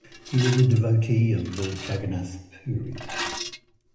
He is a devotee of Lord Jagannath, Puri.